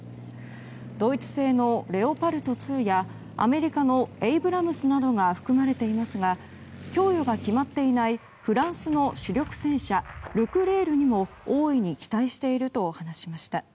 ドイツ製のレオパルト２やアメリカのエイブラムスなどが含まれていますが供与が決まっていないフランスの主力戦車ルクレールにも大いに期待していると話しました。